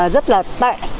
rất là tệ